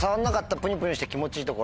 プニュプニュして気持ちいい所。